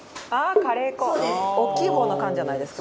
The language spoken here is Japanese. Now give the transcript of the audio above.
大きい方の缶じゃないですか？